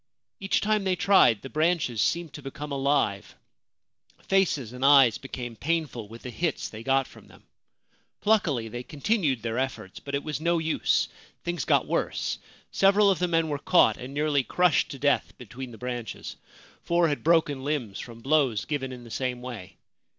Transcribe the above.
Each time they tried the branches seemed to become alive ; faces and eyes became painful with the hits they got from them. Pluckily they continued their efforts ; but it was no use. Things got worse. Several of the men were caught and nearly crushed to death between the branches ; four had broken limbs from blows given in the same way.